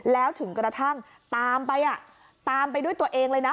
แล้วถึงกระทั่งตามไปอ่ะตามไปด้วยตัวเองเลยนะ